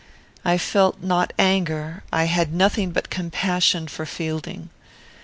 "I felt not anger; I had nothing but compassion for Fielding.